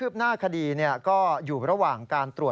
และอาจจะมีบางรายเข้าขายช่อกงประชาชนเพิ่มมาด้วย